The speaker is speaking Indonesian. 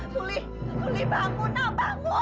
suli suli bangun mbak bangun